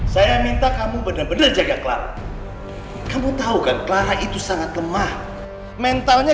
saya minta kamu benar benar jaga clar kamu tahu kan clara itu sangat lemah mentalnya